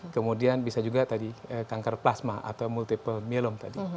kemudian bisa juga tadi kanker plasma atau multiple myelom tadi